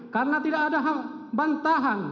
karena tidak ada bantahan